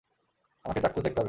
আমাকে চাক্ষুষ দেখতে হবে।